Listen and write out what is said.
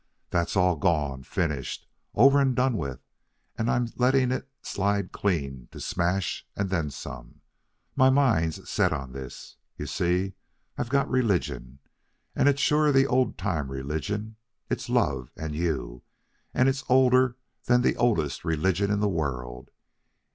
That's all gone, finished, over and done with, and I'm letting it slide clean to smash and then some. My mind's set on this. You see, I've got religion, and it's sure the old time religion; it's love and you, and it's older than the oldest religion in the world.